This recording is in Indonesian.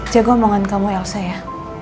jaga omongan kamu elsa ya